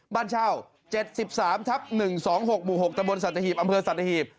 บ้านเช่า๗๓ทับ๑๒๖หมู่๖ตะบนสัตหีบอำเภอสัตหีบ